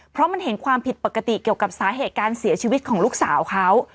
เพราะมันเห็นความผิดปกติเกี่ยวกับสาเหตุการเสียชีวิตของลูกสาวเขา